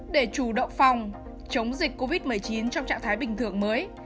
để chủ động phòng chống dịch covid một mươi chín trong trạng thái bình thường mới